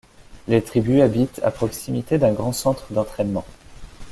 Les tributs habitent à proximité d'un grand centre d'entrainement.